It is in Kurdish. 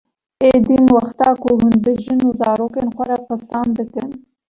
Ê din wexta ku hûn bi jin û zarokên xwe re qisan dikin